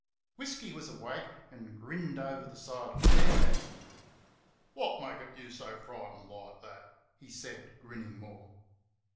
Whisky was awake and grinned over the side of the bed at him. "Wot makit you so fritent like that?" he said, grinning more.